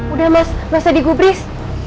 udah masa digubris